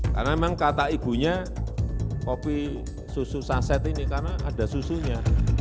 karena memang kata ibunya kopi susu sunset ini karena ada susunya